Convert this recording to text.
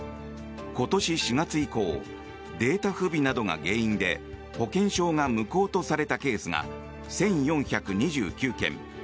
今年４月以降データ不備などが原因で保険証が無効とされたケースが１４２９件。